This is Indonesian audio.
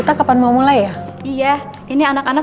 ntar butuh mas lima belas menit ogeng